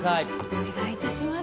お願いいたします。